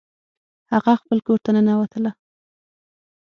هغه خپل کور ته ننوتله